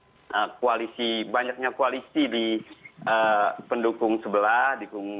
terkait dengan masalah banyaknya koalisi di pendukung sebelah